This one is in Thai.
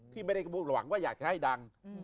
ที่ไม่ได้พูดหวังว่าอยากจะให้ดัง